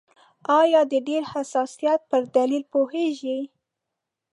آیا د ډېر حساسیت پر دلیل پوهیږئ؟